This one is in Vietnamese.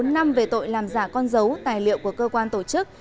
bốn năm về tội làm giả con dấu tài liệu của cơ quan tổ chức